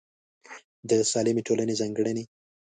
د سالمې ټولنې ځانګړنې